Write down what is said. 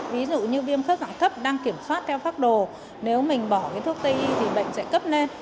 ví dụ như viêm khớp gãi thấp đang kiểm soát theo pháp đồ nếu mình bỏ cái thuốc tây y thì bệnh sẽ cấp lên